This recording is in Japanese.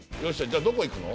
じゃどこ行くの？